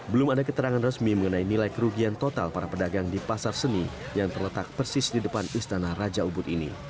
belum ada keterangan resmi mengenai nilai kerugian total para pedagang di pasar seni yang terletak persis di depan istana raja ubud ini